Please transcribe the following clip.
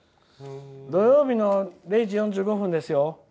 土曜日の０時４５分ですよ。